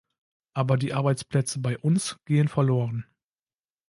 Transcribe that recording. Aber die Arbeitsplätze bei uns gehen verloren.